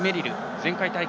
前回大会